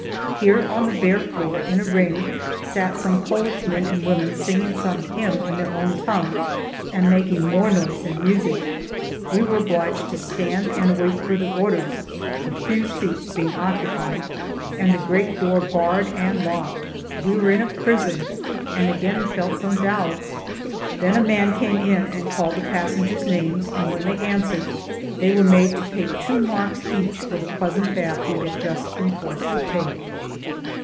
Here, on the bare floor, in a ring, sat some Polish men and women singing some hymn in their own tongue, and making more noise than music. We were obliged to stand and await further orders, the few seats being occupied, and the great door barred and locked. We were in a prison, and again felt some doubts. Then a man came in and called the passengers' names, and when they answered they were made to pay two marcs each for the pleasant bath we had just been forced to take.